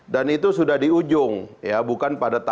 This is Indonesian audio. dan itu sudah di ujung ya bukan pada